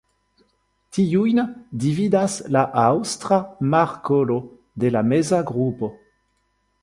Tiujn dividas la Aŭstra markolo de la meza grupo.